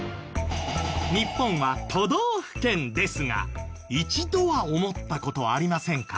日本は都道府県ですが一度は思った事ありませんか？